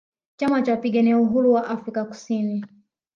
Chama Cha Wapigania Uhuru Wa Afrika Kusini